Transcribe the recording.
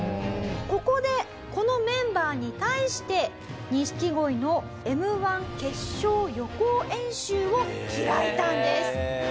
ここでこのメンバーに対して錦鯉のＭ−１決勝予行演習を開いたんです。